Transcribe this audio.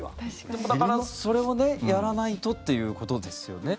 でもだから、それをやらないとということですよね。